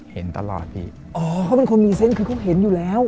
เห็นตลอดพี่อ๋อเขาเป็นคนมีเซนต์คือเขาเห็นอยู่แล้ว